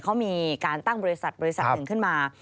เขามีการตั้งบริษัทบริษัทหนึ่งขึ้นมา